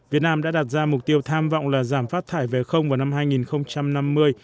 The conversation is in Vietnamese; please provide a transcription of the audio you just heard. việt nam đã đặt ra mục tiêu tham vọng là giảm phát thải về không vào năm hai nghìn năm mươi